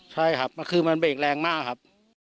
ใช่ครับคือมันเบรกแรงมากครับ